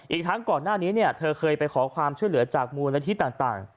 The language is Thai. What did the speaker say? อีกทั้งก่อนหน้านี้เธอเคยไปขอความช่วยเหลือจากมูลนิธิต่าง